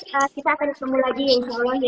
kita akan ketemu lagi insya allah